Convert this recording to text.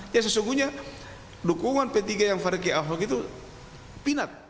ya sesungguhnya dukungan p tiga yang fair ke ahok itu pinat